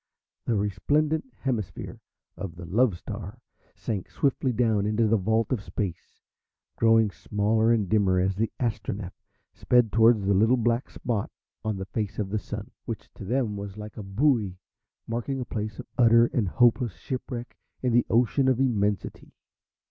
The resplendent hemisphere of the Love Star sank swiftly down into the vault of Space, growing smaller and dimmer as the Astronef sped towards the little black spot on the face of the Sun, which to them was like a buoy marking a place of utter and hopeless shipwreck in the Ocean of Immensity.